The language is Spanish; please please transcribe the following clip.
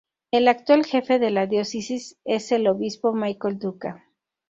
El actual jefe de la Diócesis es el Obispo Michael Duca.